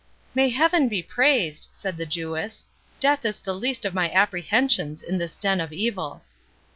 "May Heaven be praised!" said the Jewess; "death is the least of my apprehensions in this den of evil."